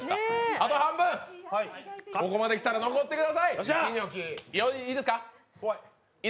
あと半分、ここまで来たら残ってください。